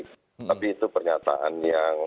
tapi itu pernyataan yang